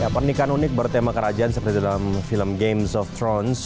pernikahan unik bertema kerajaan seperti dalam film games of thrones